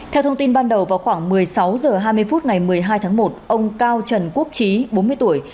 theo thông tin ban đầu vào khoảng một mươi sáu h hai mươi phút ngày một mươi hai tháng một ông cao trần quốc trí bốn mươi tuổi